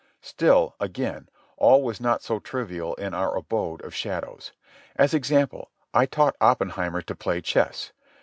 Still, again, all was not so trivial in our abode of shadows. As example, I taught Oppenheimer to play chess.